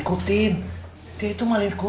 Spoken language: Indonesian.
hati hati sama si acek